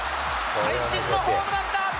会心のホームランだ。